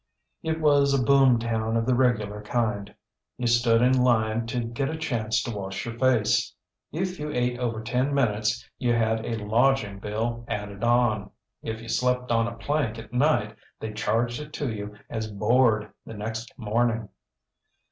It was a boom town of the regular kindŌĆöyou stood in line to get a chance to wash your face; if you ate over ten minutes you had a lodging bill added on; if you slept on a plank at night they charged it to you as board the next morning.